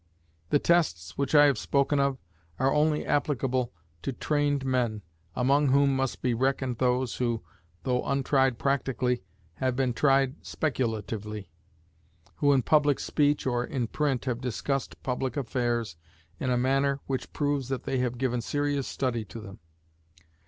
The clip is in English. The tests which I have spoken of are only applicable to tried men, among whom must be reckoned those who, though untried practically, have been tried speculatively; who, in public speech or in print, have discussed public affairs in a manner which proves that they have given serious study to them.